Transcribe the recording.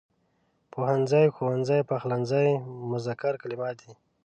پوهنځی، ښوونځی، پخلنځی مذکر کلمات دي.